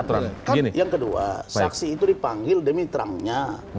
saksi itu dipanggil demi terangnya